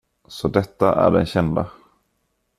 Så detta är den kända?